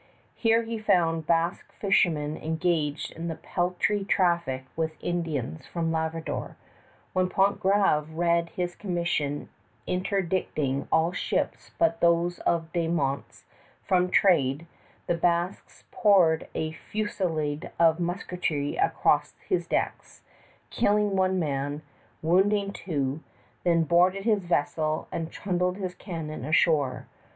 Here he found Basque fishermen engaged in the peltry traffic with Indians from Labrador. When Pontgravé read his commission interdicting all ships but those of De Monts from trade, the Basques poured a fusillade of musketry across his decks, killed one man, wounded two, then boarded his vessel and trundled his cannon ashore.